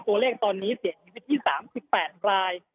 ตัวเลขตอนนี้เสียชีวิตที่๓๘ราย